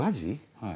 はい。